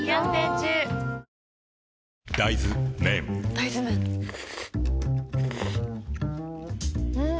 大豆麺ん？